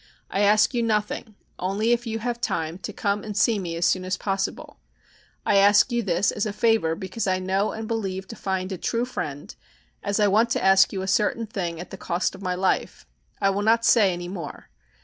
I ask you nothing, only if you have time to come and see me as soon as possible. I ask you this as a favor because I know and believe to find a true friend, as I want to ask you a certain thing at the cost of my life. I will not say any more.